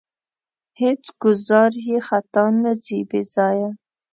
هېڅ ګوزار یې خطا نه ځي بې ځایه.